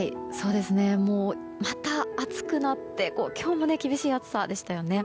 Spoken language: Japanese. また暑くなって今日も厳しい暑さでしたよね。